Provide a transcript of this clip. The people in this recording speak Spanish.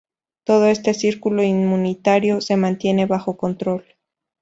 Todo este círculo inmunitario se mantiene bajo control.